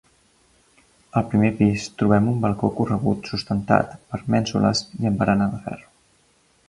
Al primer pis trobem un balcó corregut sustentat per mènsules i amb barana de ferro.